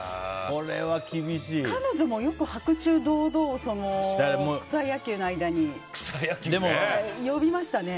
彼女もよく白昼堂々草野球の間に呼びましたね。